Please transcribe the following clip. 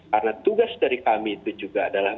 karena tugas dari kami itu juga adalah